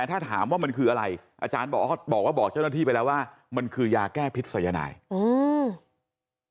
ถ้าถามว่ามันคืออะไรอาจารย์บอกว่าบอกเจ้าหน้าที่ไปแล้วว่ามันคือยาแก้พิษสายนายอืม